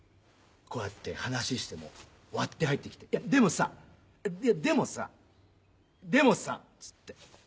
こうやって話しても割って入って来て「でもさでもさでもさ」っつって。